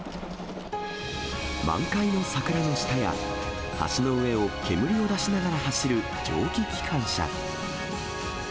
満開の桜の下や、橋の上を煙を出しながら走る蒸気機関車。